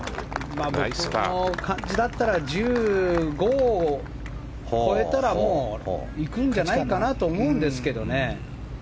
この感じだったら１５を超えたらもういくんじゃないかなと思うんですけどね。